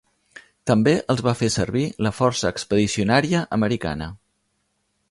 També els va fer servir la Força Expedicionària Americana.